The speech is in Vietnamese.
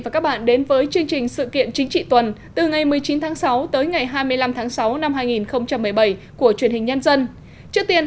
cảm ơn các bạn đã theo dõi